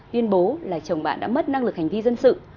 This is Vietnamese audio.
tuyên bố là chồng bạn đã mất năng lực hành vi dân sự